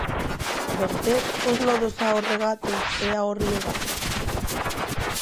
Verter os lodos aos regatos e ao Río Baos?